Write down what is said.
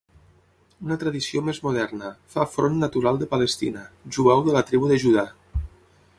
Una tradició més moderna, fa Front natural de Palestina, jueu de la tribu de Judà.